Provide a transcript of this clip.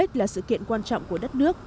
cao abg là sự kiện quan trọng của đất nước